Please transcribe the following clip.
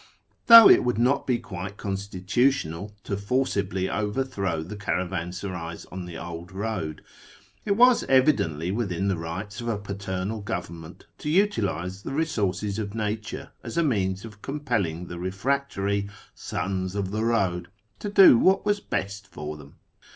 Though it would not be quite con jtitutional to forcibly overthrow the caravansarays on the old :oad, it was evidently within the rights of a paternal govern t nent to utilise the resources of nature as a means of com nelling the refractory " sons of the road " to do what was best or them.